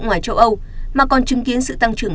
ngoài châu âu mà còn chứng kiến sự tăng trưởng